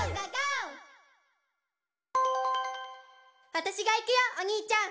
「わたしが行くよおにいちゃん」